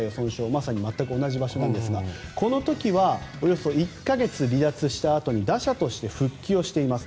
まさに全く同じ場所なんですがこの時は１か月離脱したあとに打者として復帰をしています。